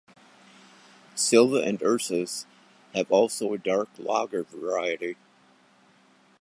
Silva and Ursus have also a dark lager variety.